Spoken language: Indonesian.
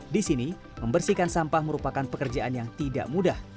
di sini membersihkan sampah merupakan pekerjaan yang tidak mudah